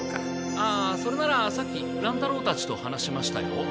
ああそれならさっき乱太郎たちと話しましたよ。